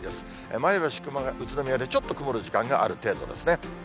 前橋、宇都宮でちょっと曇る時間がある程度ですね。